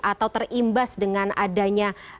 atau terimbas dengan adanya